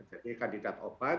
jadi kandidat obat